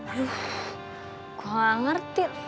aduh gue gak ngerti